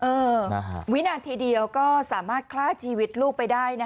เออนะฮะวินาทีเดียวก็สามารถคล้าชีวิตลูกไปได้นะฮะ